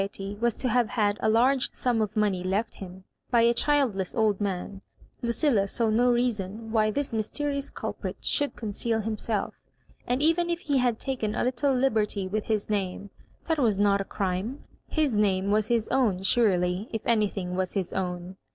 83 ety was to have had a large sum of money left him by a childless old man, Lucilla saw no rea son why this mysterious culprit should conceal himself; and even if he had taken a little liberty with his name, that was not a crime — his name was his own surely, if anything was his own.